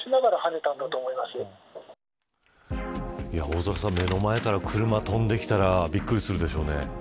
大空さん目の前から車が飛んできたらびっくりするでしょうね。